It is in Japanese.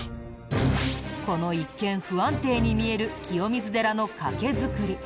この一見不安定に見える清水寺の懸造り。